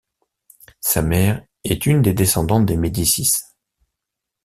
Sa mère est une descendante des Medicis.